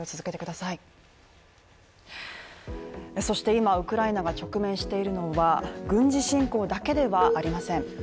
そして今、ウクライナが直面しているのは軍事侵攻だけではありません。